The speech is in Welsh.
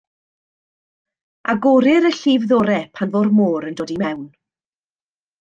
Agorir y llif-ddorau pan fo'r môr yn dod i mewn.